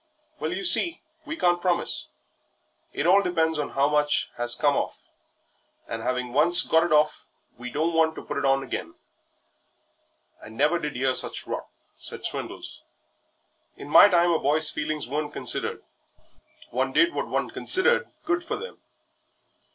"Well, you see, we can't promise; it all depends on how much has come off, and 'aving once got it hoff, we don't want to put it on again." "I never did 'ear such rot," said Swindles. "In my time a boy's feelings weren't considered one did what one considered good for them."